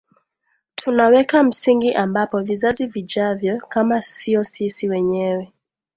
tunaweka msingi ambapo vizazi vijavyo kama sio sisi wenyewe